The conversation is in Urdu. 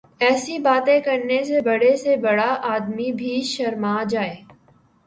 ایسی باتیں کرنے سے بڑے سے بڑا آدمی بھی شرما جائے۔